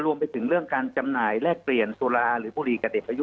รวมไปถึงเรื่องการจำหน่ายแลกเปลี่ยนสุราหรือบุหรี่กับเด็กอายุ